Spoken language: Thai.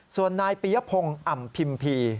ส่วนนายปียพงศ์อ่ำพิมพี